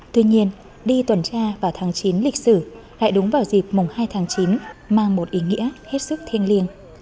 tuy nhiên đi tuần tra vào tháng chín lịch sử hãy đúng vào dịp mùng hai tháng chín mang một ý nghĩa hết sức thiêng liêng